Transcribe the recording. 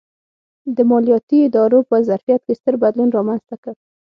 د مالیاتي ادارو په ظرفیت کې ستر بدلون رامنځته کړ.